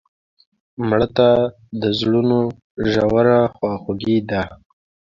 مړه ته د زړونو ژوره خواخوږي ده